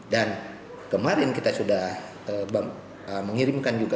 dan kemarin kita sudah mengirimkan juga